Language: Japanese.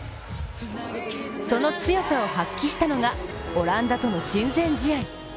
その強さを発揮したのがオランダとの親善試合。